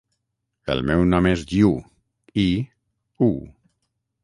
El meu nom és Iu: i, u.